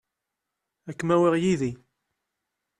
Ad kem-awiɣ yid-i.